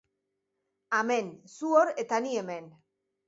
Amen, zu hor eta ni hemen.